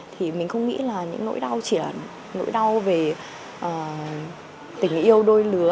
thì mình không nghĩ là những nỗi đau chỉ là nỗi đau về tình yêu đôi lứa